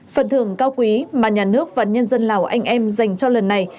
phần thưởng cao quý mà nhà nước và nhân dân lào anh em dành cho lần này